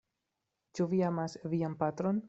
Ĉu vi amas vian patron?